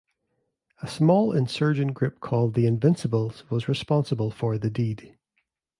A small insurgent group called the Invincibles was responsible for the deed.